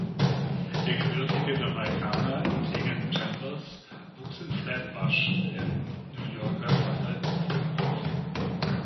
Der gebürtige Jamaikaner Tegan Chambers wuchs in Flatbush im New Yorker Stadtteil Brooklyn auf.